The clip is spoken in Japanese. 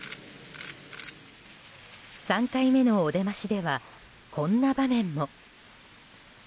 ３回目のお出ましではこんな場面も。